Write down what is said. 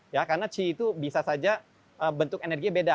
ya karena qi itu bisa saja bentuk energi beda